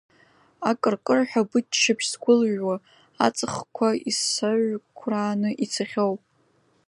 Акыркырҳәа быччаԥшь згәылҩуа, аҵхқәа исаҩкәрааны ицахьоу.